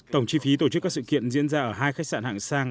tổng chi phí tổ chức các sự kiện diễn ra ở hai khách sạn hạng sang